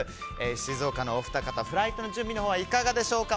静岡のお二方フライトの準備のほうはいかがでしょうか。